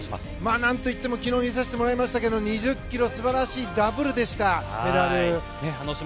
なんといっても昨日見させてもらいましたが２０ｋｍダブルのメダルでした。